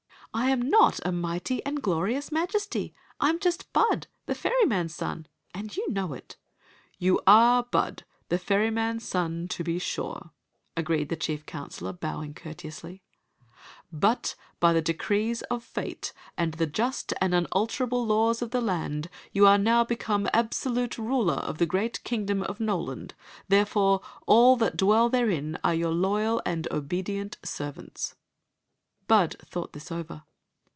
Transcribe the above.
" I am not a mighty and glorious Majesty. I 'm just Bud, the ferryman's son, and you know it" Story of the Magic Cloak "You are Bud, the ferryman's son, to be sure," agreed the chief counselor, bowing courteously ;" but by the decrees of fate and the just and unalterable laws of the land you are now become absdute ruler of the gna4Mngdmn of Noland; therefore all that dwell therein are your loyal and obeo.cnt servants." Bud thought this over.